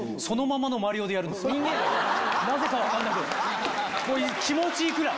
なぜか分かんないけど気持ちいいくらい。